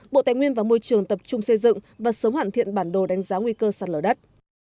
bộ tài nguyên và môi trường tập trung xây dựng và sớm hoàn thiện bản đồ đánh giá nguy cơ sạt lở đất